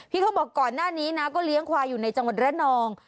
เขาบอกก่อนหน้านี้นะก็เลี้ยงควายอยู่ในจังหวัดระนอง